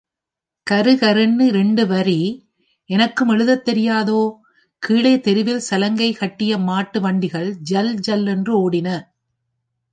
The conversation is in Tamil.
கருகருன்னு இரண்டு வரி எனக்கும் எழுதத் தெரியாதோ? கீழே தெருவில் சலங்கை கட்டிய மாட்டு வண்டிகள் ஜல்ஜல்லென்று ஓடின.